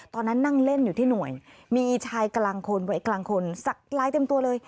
ตอนนั้นนั่งเล่นอยู่ที่หน่วยมีชายกลางคนวัยกลางคนสักลายเต็มตัวเลย